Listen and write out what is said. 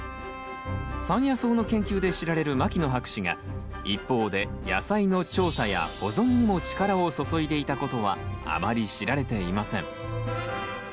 山野草の研究で知られる牧野博士が一方で野菜の調査や保存にも力を注いでいたことはあまり知られていません。